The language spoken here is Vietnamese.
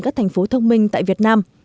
các thành phố thông minh tại việt nam